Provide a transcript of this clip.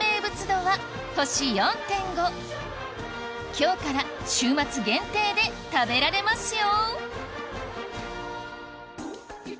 今日から週末限定で食べられますよ